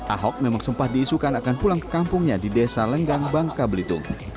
ahok memang sempat diisukan akan pulang ke kampungnya di desa lenggang bangka belitung